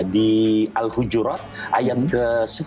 di al hujurat ayat ke sepuluh